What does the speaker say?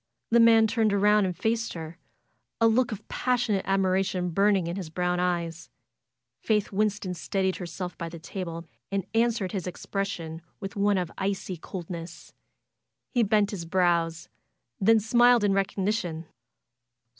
The man turned around and faced her, a look of passionate admiration burning in his brown eyes. Faith Winston steadied herself by the table and answered his expression with one of icy coldness. He bent his brows and then smiled in recognition.